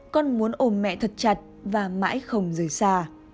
con muốn ồ mẹ thật chặt và mãi không rời xa